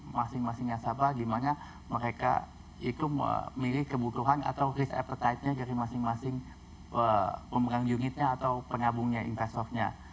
masing masing nasabah di mana mereka itu memilih kebutuhan atau risk appetite nya dari masing masing pemegang unitnya atau pengabungnya investornya